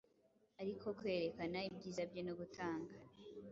Ariko kwerekana ibyiza bye, no gutanga